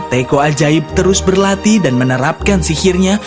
teko ajaib terus berlatih dan menerapkan sihirnya